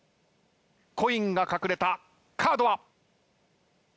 コインが隠れたカードは？